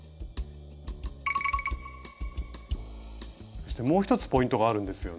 そしてもう一つポイントがあるんですよね？